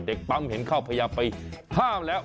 เด็กปั๊มเห็นเข้าพยายามไปห้ามแล้ว